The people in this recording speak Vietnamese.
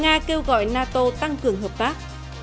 nga kêu gọi nato tăng cường hợp tác